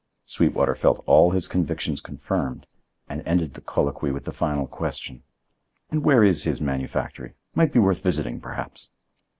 Sweetwater felt all his convictions confirmed, and ended the colloquy with the final question: "And where is his manufactory? Might be worth visiting, perhaps."